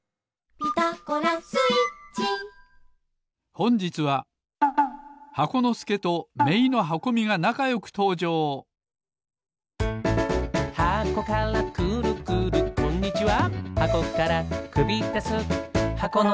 ほんじつは箱のすけとめいのはこみがなかよくとうじょうこんにちは。